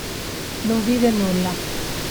Non vide nulla.